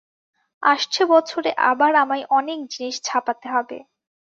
আসছে বছরে আবার আমায় অনেক জিনিষ ছাপাতে হবে।